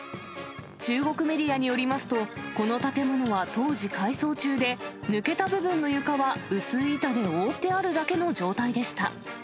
中国メディアによりますと、この建物は当時、改装中で、抜けた部分の床は薄い板で覆ってあるだけの状態でした。